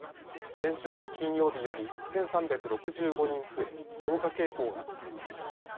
先週の金曜日より１３６５人増え増加傾向が続いています。